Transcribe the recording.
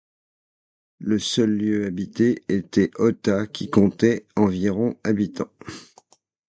Le seul lieu habité était Ota qui comptait environ habitants.